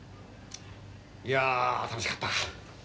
いや楽しかった。